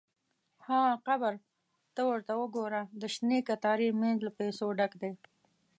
– ها قبر! ته ورته وګوره، د شنې کتارې مینځ له پیسو ډک دی.